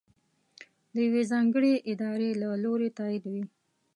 د یوې ځانګړې ادارې له لورې تائید وي.